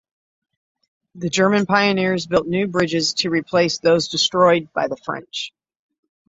The German pioneers built new bridges to replace those destroyed by the French.